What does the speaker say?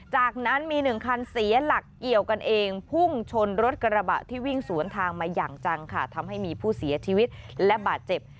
จากนั้นมีหนึ่งคันเสียหลักเกี่ยวกันเองพุ่งชนรถกระบะที่วิ่งสวนทางมาอย่างจังค่ะทำให้มีผู้เสียชีวิตและบาดเจ็บ